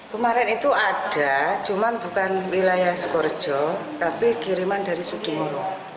kemarin itu ada cuma bukan wilayah sukorejo tapi kiriman dari sudimo